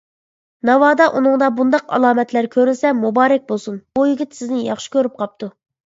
ناۋادا ئۇنىڭدا بۇنداق ئالامەتلەر كۆرۈلسە مۇبارەك بولسۇن، بۇ يىگىت سىزنى ياخشى كۆرۈپ قاپتۇ.